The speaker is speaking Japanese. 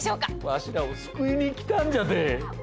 わしらを救いに来たんじゃって。